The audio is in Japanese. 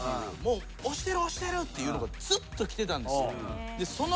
押してる押してる」っていうのがずっときてたんです。